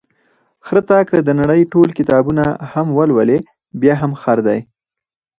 خره ته که د نړۍ ټول کتابونه هم ولولې، بیا هم خر دی.